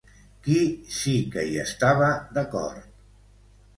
Qui sí que hi estava d'acord?